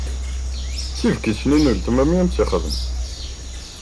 D tibkit-nni n uletma-m i am-tt-ixedmen.